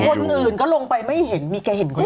คนอื่นก็ลงไปไม่เห็นมีใครเห็นคนอื่น